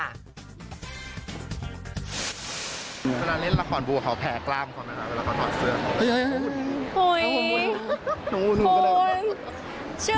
เมื่อนานเล่นละครบูเหาะแผงกล้ามก่อนนะคะเป็นละครถอดเสื้อ